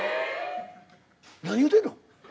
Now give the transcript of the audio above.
何言うてんの？